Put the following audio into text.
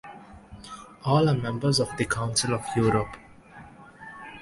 All are members of the Council of Europe.